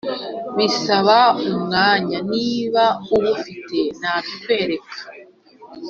bisaba umwanya niba uwufite nabikwereka,